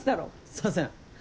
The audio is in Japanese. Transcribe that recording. すいません。